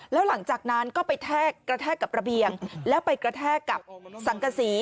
แล้วหลังจากนั้นก็ไปแทกกระแทกกับระเบียงแล้วไปกระแทกกับสังกษี